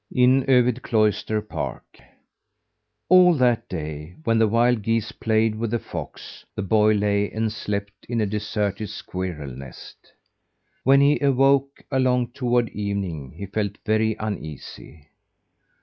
IN ÖVID CLOISTER PARK All that day, when the wild geese played with the fox, the boy lay and slept in a deserted squirrel nest. When he awoke, along toward evening, he felt very uneasy.